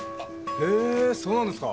へえそうなんですか。